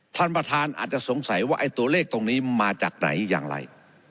ท่านประธานอาจจะสงสัยว่าไอ้ตัวเลขตรงนี้มาจากไหนอย่างไร